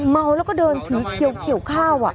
เมาแล้วก็เดินถือเขียวข้าว